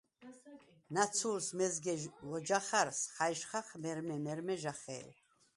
ნაცუ̄ლს მეზგე ვოჯახარს ხაჲშხახ მე̄რმე-მე̄რმე ჟახე̄ლ.